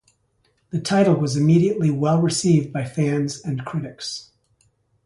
The title was immediately well received by fans and critics.